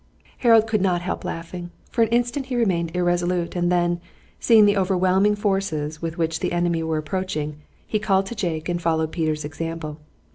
Harold could not help laughing. For an instant he remained irresolute, and then, seeing the overwhelming forces with which the enemy were approaching, he called to Jake and followed Peter's example.